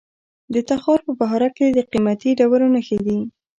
د تخار په بهارک کې د قیمتي ډبرو نښې دي.